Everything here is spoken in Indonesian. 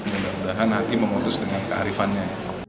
mudah mudahan hakim memutus dengan kearifannya